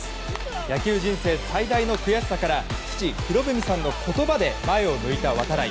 野球人生最大の悔しさから父・博文さんの言葉で前を向いた度会。